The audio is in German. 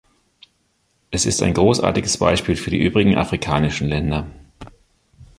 Es ist ein großartiges Beispiel für die übrigen afrikanischen Länder.